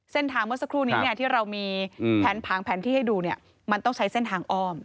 เส้นทางเมื่อสักครู่นี้ที่เรามีแผนผังแผนที่ให้ดูมันต้องใช้เส้นทางอ้อม